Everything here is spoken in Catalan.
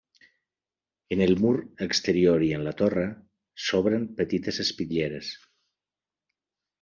En el mur exterior i en la torre, s'obren petites espitlleres.